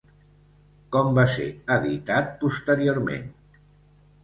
Com va ser editat posteriorment?